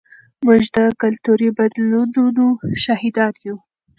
موږ د کلتوري بدلونونو شاهدان یو.